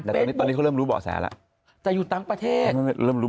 แต่ตอนนี้เขาเริ่มรู้เบาะแสละแต่อยู่ทั้งประเทศเริ่มรู้